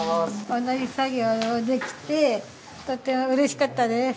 同じ作業ができてとてもうれしかったです。